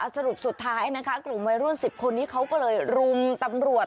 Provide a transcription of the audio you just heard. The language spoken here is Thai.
สรุปสุดท้ายนะคะกลุ่มวัยรุ่น๑๐คนนี้เขาก็เลยรุมตำรวจ